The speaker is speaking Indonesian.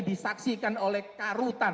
disaksikan oleh karutan